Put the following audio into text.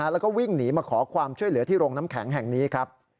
แล้วก็วิ่งหนีมาขอความช่วยเหลือที่โรงน้ำแข็งแห่งนี้ครับ